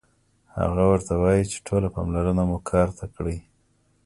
هغه ورته وايي چې ټوله پاملرنه مو کار ته کړئ